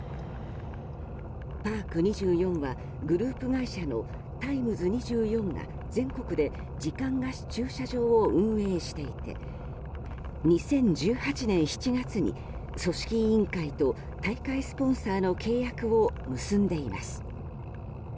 パーク２４はグループ会社のタイムズ２４が全国で時間貸し駐車場を運営していて２０１８年７月に組織委員会と大会スポンサーの契約を結んでいます。